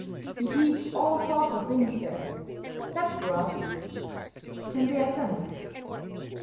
"We keep all sorts of things there. Let's go up." And they ascended.